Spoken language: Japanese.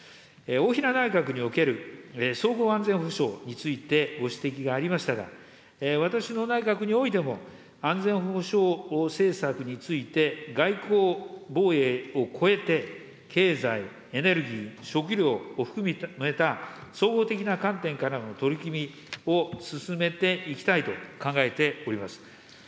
大平内閣における総合安全保障について、ご指摘がありましたが、私の内閣においても、安全保障政策について、外交・防衛を超えて、経済、エネルギー、食料を含めた総合的な観点からの取り組みを進めていきたいと考えております。